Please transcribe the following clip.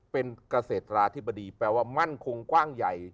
เป็นเกษตราธิบดีแปลว่ามั่นคงกว้างใหญ่